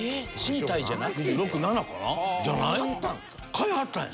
買いはったんや。